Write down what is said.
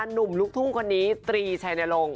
หนุ่มลูกทุ่งคนนี้ตรีชัยนรงค